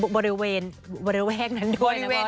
บริเวณโดยเบอร์แม่ก